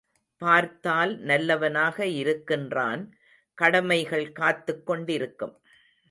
பார்த்தால் நல்லவனாக இருக்கின்றான் கடமைகள் காத்துக் கொண்டிருக்கும்.